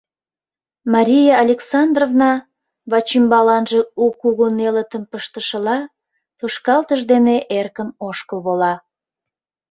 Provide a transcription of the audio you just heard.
Мария Александровна, вачӱмбаланже у кугу нелытым пыштышыла, тошкалтыш дене эркын ошкыл вола.